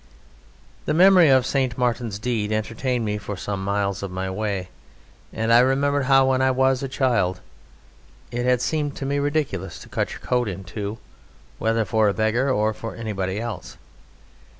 The memory of St. Martin's deed entertained me for some miles of my way, and I remembered how, when I was a child, it had seemed to me ridiculous to cut your coat in two whether for a beggar or for anybody else.